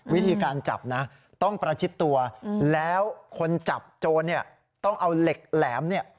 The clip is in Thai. วิธีการจับนะต้องประชิดตัวแล้วคนจับโจรเนี่ยต้องเอาเหล็กแหลมเนี่ย